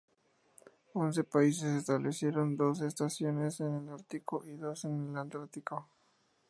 Once países establecieron doce estaciones en el ártico y dos en el antártico.